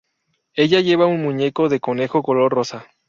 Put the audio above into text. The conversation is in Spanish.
Ella lleva un muñeco de conejo color rosa.